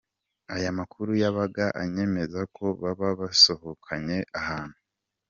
Aya makuru yabaga anyemeza ko baba basohokanye ahantu.